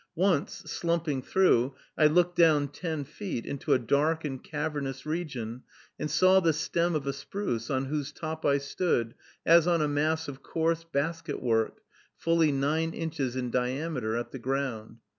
Once, slumping through, I looked down ten feet, into a dark and cavernous region, and saw the stem of a spruce, on whose top I stood, as on a mass of coarse basket work, fully nine inches in diameter at the ground.